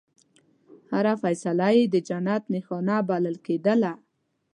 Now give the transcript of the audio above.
هره فیصله یې د جنت نښانه بلل کېدله.